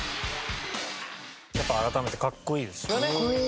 やっぱ改めてかっこいいですよね。